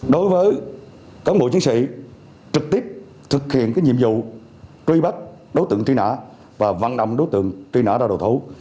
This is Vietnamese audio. đối với cán bộ chiến sĩ trực tiếp thực hiện nhiệm vụ truy bắt đối tượng truy nã và vận động đối tượng truy nã ra đầu thú